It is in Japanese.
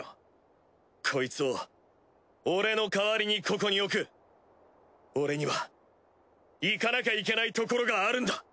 コイツを俺の代わりにここに置く俺には行かなきゃいけない所があるんだ。